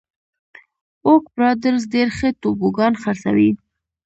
اوک برادرز ډېر ښه توبوګان خرڅوي.